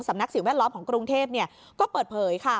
สำนักสิ่งแวดล้อมของกรุงเทพก็เปิดเผยค่ะ